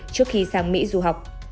trước khi sang mỹ du học